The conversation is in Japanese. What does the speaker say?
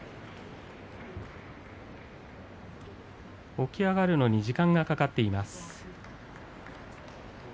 起き上がるのに時間がかかっています。